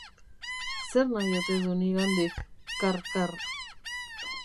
Zer nahi ote du nigandik, kar-kar?